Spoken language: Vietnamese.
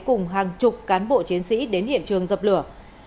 cùng hàng chục cán bộ chiến sĩ đến hiện trường dập lửa